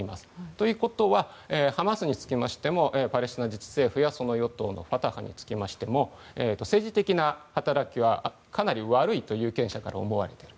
ということはハマスについてもパレスチナ自治政府やその与党のファタハについても政治的な働きは、かなり悪いと有権者から思われている。